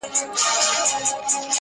خپل یې کلی او دېره، خپله حجره وه؛